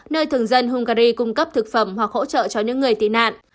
nơi thường dân hungary cung cấp thực phẩm hoặc hỗ trợ cho những người tị nạn